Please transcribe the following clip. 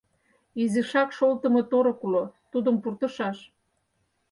Изишак шолтымо торык уло, тудым пуртышаш.